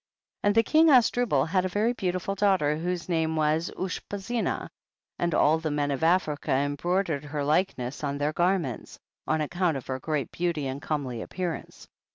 14. And the king Azdrubal had a very beautiful daughter, whose name was Ushpczena, and all the men of Africa embroidered her likeness on their garments, on account of her great beauty and comely appearance.